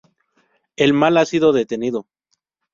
El mal ha sido detenido.